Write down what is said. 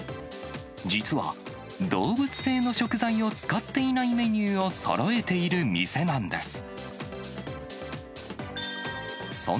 実は、動物性の食材を使っていないメニューをそろえている店なんです。